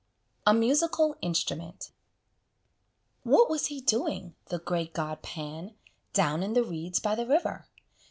A MUSICAL INSTRUMENT What was he doing, the great god Pan, Down in the reeds by the river?